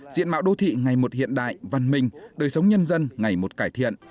diện mạo đô thị ngày một hiện đại văn minh đời sống nhân dân ngày một cải thiện